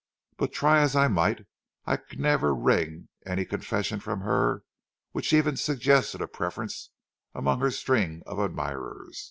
But try as I might, I could never wring any confession from her which even suggested a preference among her string of admirers.